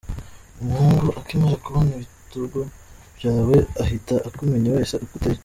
Umuhungu akimara kubona ibitugu byawe ahita akumenya wese uko uteye.